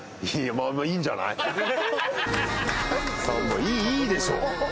いいでしょ。